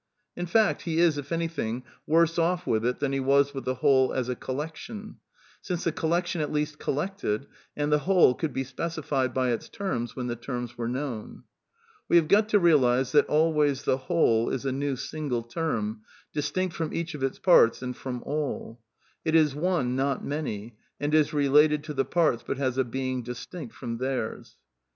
In fact, he is, if anything, worse off with it than he was with the whole as a " collection "; since the collection at least collected, and the whole could be specified by its terms when the terms were known. We have got to realize that always " the w hole is a new single^termj distinct fr6m each of its parts and from all : it is one, noT many^ and is related to the parts but has a being distinct from theirs."